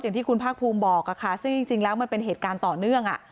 อย่างที่คุณภาคภูมิบอกค่ะซึ่งจริงแล้วมันเป็นเหตุการณ์ต่อเนื่อง